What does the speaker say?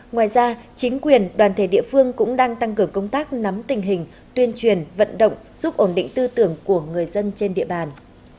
ngoài ra chính quyền đoàn thể địa phương cũng đang tăng cường công tác nắm tình hình tuyên truyền vận động giúp ổn định tư tưởng của người dân trên địa bàn